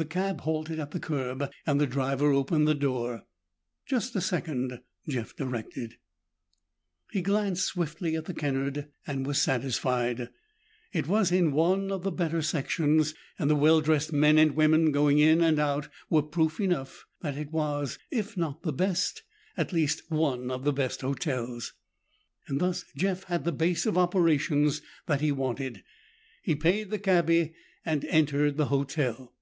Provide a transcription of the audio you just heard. The cab halted at the curb and the driver opened the door. "Just a second," Jeff directed. He glanced swiftly at the Kennard and was satisfied. It was in one of the better sections, and the well dressed men and women going in and out were proof enough that it was, if not the best, at least one of the best hotels. Thus Jeff had the base of operations that he wanted. He paid the cabbie and entered the hotel.